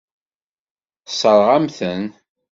Tessṛeɣ-am-ten.